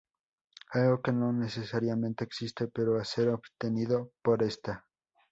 Algo que no necesariamente existente, pero a ser obtenido por esta.